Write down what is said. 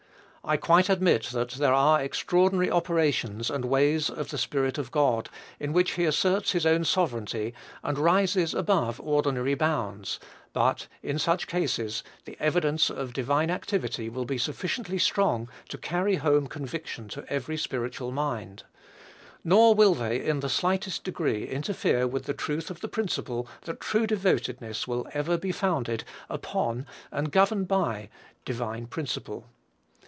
I quite admit that there are extraordinary operations and ways of the Spirit of God, in which he asserts his own sovereignty, and rises above ordinary bounds; but, in such cases, the evidence of divine activity will be sufficiently strong to carry home conviction to every spiritual mind; nor will they, in the slightest degree, interfere with the truth of the principle that true devotedness will ever be founded upon and governed by divine principle.